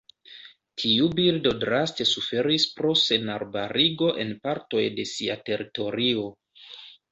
Tiu birdo draste suferis pro senarbarigo en partoj de sia teritorio.